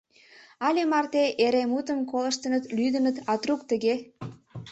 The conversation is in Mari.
Але марте эре мутым колыштыныт, лӱдыныт, а трук тыге.